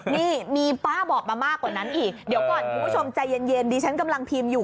นี่มีป้าบอกมามากกว่านั้นอีกเดี๋ยวก่อนคุณผู้ชมใจเย็นดิฉันกำลังพิมพ์อยู่